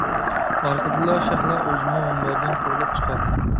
ئارقىدىنلا شەھلا ئۆزىنىمۇ مۇنبەردىن قوغلاپ چىقاردى.